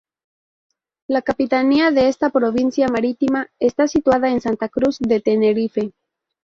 La capitanía de esta provincia marítima está situada en Santa Cruz de Tenerife.